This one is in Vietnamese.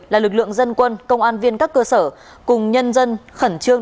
là lực lượng dân quân công an viên các cơ sở cùng nhân dân khẩn trương